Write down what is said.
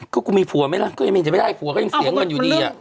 ก็กูมีผัวไหมล่ะก็ยังมีแต่ไม่ได้ผัวก็ยังเสียเงินอยู่ดี